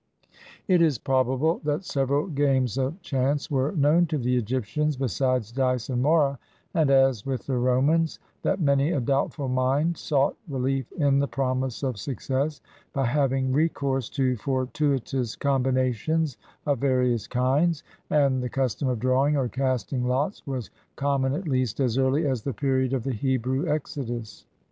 It is probable that several games of chance were known to the Egyptians, besides dice and mora, and, as with the Romans, that many a doubtful mind sought relief in the promise of success, by having recourse to fortuitous combinations of various kinds, and the cus tom of drawing, or casting lots, was common at least as early as the period of the Hebrew Exodus.